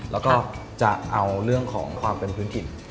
แล้วก็จะเอาเรื่องของความเป็นพื้นถิ่น